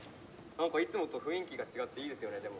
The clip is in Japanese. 「何かいつもと雰囲気が違っていいですよねでも」。